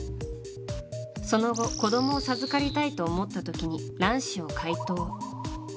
その後、子供を授かりたいと思った時に卵子を解凍。